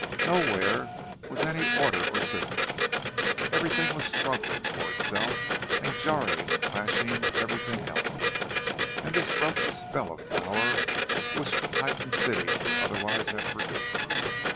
Nowhere was any order or system—everything was struggling for itself, and jarring and clashing with everything else; and this broke the spell of power which the Titan city would otherwise have produced.